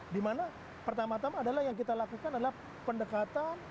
dimana pertama tama adalah yang kita lakukan adalah pendekatan